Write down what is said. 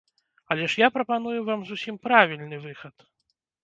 Але ж я прапаную вам зусім правільны выхад.